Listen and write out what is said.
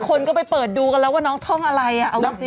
คนก็ไปเปิดดูกันแล้วว่าน้องท่องอะไร